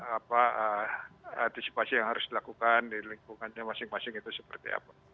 apa antisipasi yang harus dilakukan di lingkungannya masing masing itu seperti apa